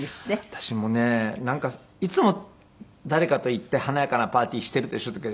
私もねなんかいつも誰かといて華やかなパーティーしているでしょとか。